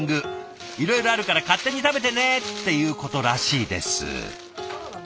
いろいろあるから勝手に食べてね！っていうことらしいです。